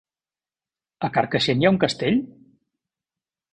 A Carcaixent hi ha un castell?